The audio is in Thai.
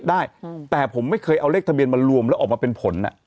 ได้แต่ผมไม่เคยเอาเลขทะเบียนมารวมแล้วออกมาเป็นผล